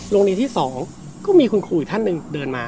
โรงเรียนที่๒ก็มีคุณครูอีกท่านหนึ่งเดินมา